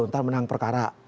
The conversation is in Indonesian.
nanti menang perkara